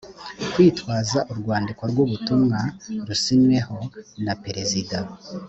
kwitwaza urwandiko rw ubutumwa rusinyweho na perezida